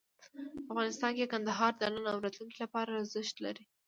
افغانستان کې کندهار د نن او راتلونکي لپاره ارزښت لري.